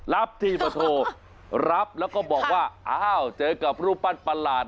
รับที่ปฐรับแล้วก็บอกว่าอ้าวเจอกับรูปปั้นประหลาด